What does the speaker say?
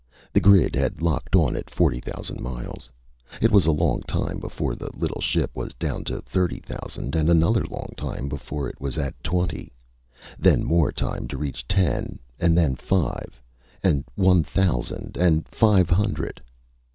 The grid had locked on at forty thousand miles. It was a long time before the little ship was down to thirty thousand and another long time before it was at twenty. Then more time to reach ten, and then five, and one thousand, and five hundred.